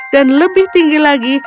dan lebih tinggi lagi